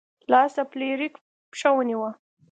لاس د فلیریک پښه ونیوه.